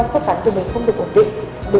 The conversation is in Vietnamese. thức cắn của mình không được ổn định